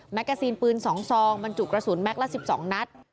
แม็กซีนปืนสองซองมันจุกกระสุนแม็กซ์ละสิบสองนัด